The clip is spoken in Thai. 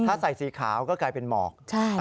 ถ้าใส่สีขาวก็กลายเป็นหมอก